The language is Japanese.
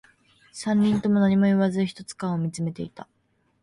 三人とも何も言わず、一斗缶を見つめていた